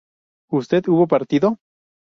¿Usted hubo partido?